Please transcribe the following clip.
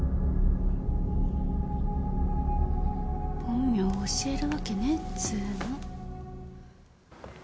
本名教えるわけねえっつうの。